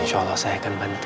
insya allah saya akan bantu